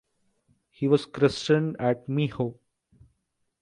He was christened as Mijo.